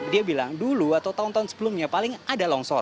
dia bilang dulu atau tahun tahun sebelumnya paling ada longsor